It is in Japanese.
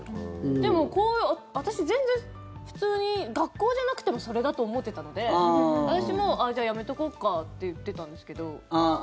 でも、私、全然普通に学校じゃなくてもそれだと思ってたので私も、じゃあ、やめとこっかって言ってたんですけど。